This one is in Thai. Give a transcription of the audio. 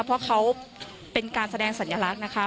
เพราะเขาเป็นการแสดงสัญลักษณ์นะคะ